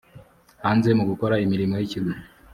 hanze mu gukora imirimo y ikigo